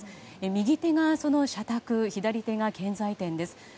右手がその社宅左手が建材店です。